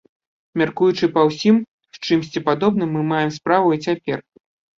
Мяркуючы па ўсім, з чымсьці падобным мы маем справу і цяпер.